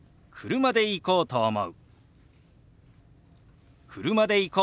「車で行こうと思う」。